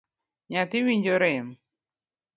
Nyathi winjo rem?